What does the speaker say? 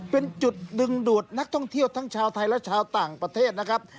เป็นจุดดึงดูดนักท่องเที่ยวทั้งชาวไทยและชาวต่างประเทศนะครับ